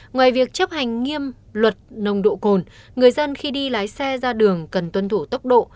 ngoài việc chấp hành nghiêm luật nồng độ cồn người dân khi đi lái xe ra đường cần tuân thủ tốc độ